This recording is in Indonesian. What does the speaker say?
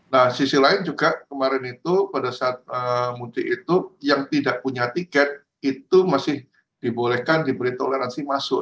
nah sisi lain juga kemarin itu pada saat mudik itu yang tidak punya tiket itu masih dibolehkan diberi toleransi masuk